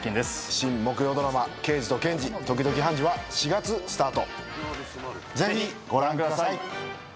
新木曜ドラマケイジとケンジ、時々ハン４月スタートぜひご覧ください